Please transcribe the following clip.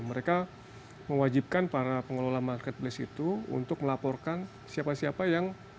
mereka mewajibkan para pengelola marketplace itu untuk melaporkan siapa siapa yang